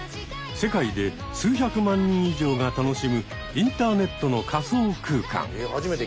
世界で数百万人以上が楽しむインターネットの仮想空間。